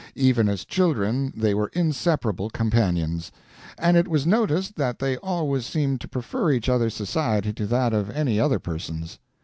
Even as children they were inseparable companions; and it was noticed that they always seemed to prefer each other's society to that of any other persons.